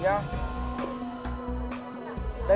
em không lừa